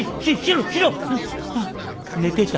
「あ寝てた」。